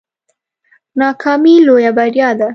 ناکامي لویه بریا ده